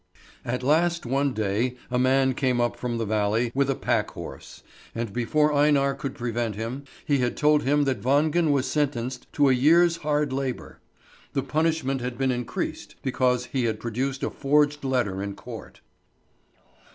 At last one day a man came up from the valley with a pack horse, and before Einar could prevent him, he had told him that Wangen was sentenced to a year's hard labour. The punishment had been increased, because he had produced a forged letter in court.